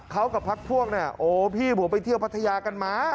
เขากับพักพวกพี่ผมไปเที่ยวพัทยากันมา